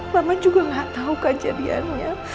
mama juga nggak tahu kejadiannya